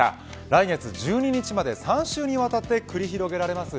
来月１２日まで３週にわたって繰り広げられます。